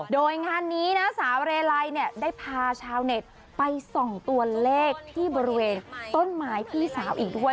โดยงานนี้นะสาวเรลัยเนี่ยได้พาชาวเน็ตไปส่องตัวเลขที่บริเวณต้นไม้พี่สาวอีกด้วย